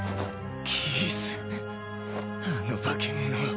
キースあの化け物